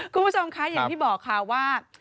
คุณผู้ชมคะอย่างที่บอกค่ะว่า